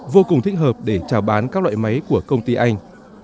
vô cùng thích hợp để trào bán các loại máy của công ty anh